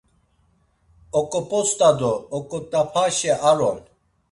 Oǩop̌ost̆a do oǩot̆apaşe ar on.